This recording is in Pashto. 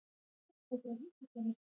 د شیدو قیماق سهار وختي ډیر خوندور وي.